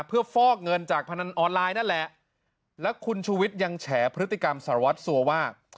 เพื่อฟอกเงินจากพนันออนไลน์นั่นแหละแล้วคุณชูวิทย์ยังแฉพฤติกรรมสารวัตรสัวว่า